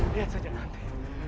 lihat saja nanti